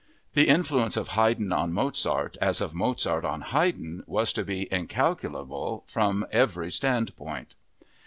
The influence of Haydn on Mozart as of Mozart on Haydn was to be incalculable from every standpoint.